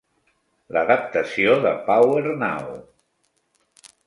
L'adaptació de PowerNow!